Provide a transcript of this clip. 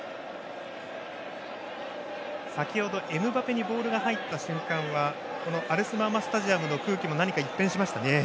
先程エムバペにボールが入った瞬間はアルスマーマスタジアムの空気も何か一変しましたね。